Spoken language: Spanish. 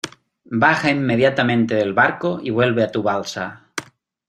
baja inmediatamente del barco y vuelve a tu balsa.